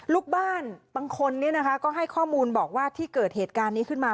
ลูกบ้านบางคนก็ให้ข้อมูลบอกว่าที่เกิดเหตุการณ์นี้ขึ้นมา